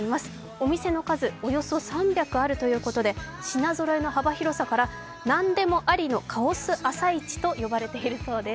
お店の数、およそ３００あるということで品ぞろえの幅広さから、なんでもありのカオス朝市と呼ばれているそうです。